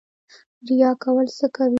ریا کول څه کوي؟